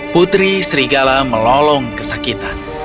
putri serigala melolong kesakitan